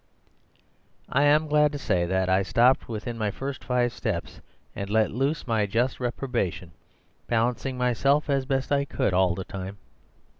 "I am glad to say that I stopped within my first five steps, and let loose my just reprobation, balancing myself as best I could all the time.